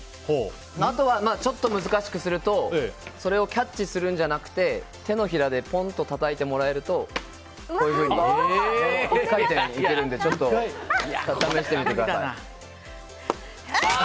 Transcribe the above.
あとはちょっと難しくするとそれをキャッチするんじゃなくて手のひらでポンとたたいてもらうとこういうふうに１回転いけるので試してみてください。